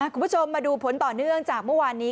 คุณผู้ชมมาดูผลต่อเนื่องจากเมื่อวานนี้